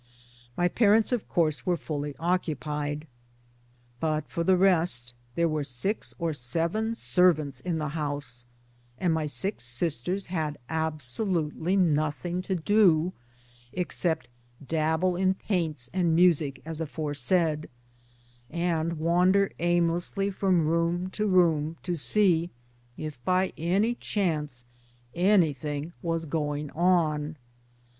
My parents of course were fully occupied, but for the rest there were six g2 MY DAYS AND DREAMS or seven servants in the house, and my six sisters had 1 absolutely nothing to do except dabble in paints and music as aforesaid^ and wander aimlessly from room to room to see if by any chance " anything was going on."